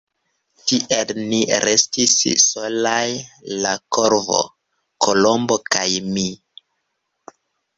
Tiel ni restis solaj — la Korvo, Kolombo kaj mi.